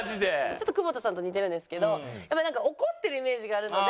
ちょっと久保田さんと似てるんですけどやっぱりなんか怒ってるイメージがあるので。